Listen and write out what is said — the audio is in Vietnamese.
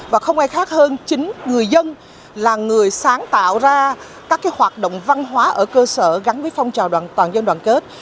và không ai khác hơn chính người dân là người sáng tạo ra các hoạt động văn hóa ở cơ sở gắn với phong trào đoàn dân đoàn kết